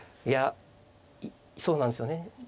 いやそうなんですよね。